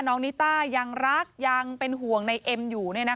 นิต้ายังรักยังเป็นห่วงในเอ็มอยู่